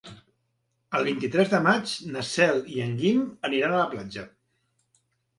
El vint-i-tres de maig na Cel i en Guim aniran a la platja.